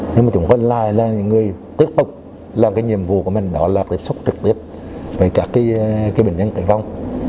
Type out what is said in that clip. nhưng mà chúng tôi lại là những người tiếp tục làm nhiệm vụ của mình đó là tiếp xúc trực tiếp với các bệnh nhân tẩy vong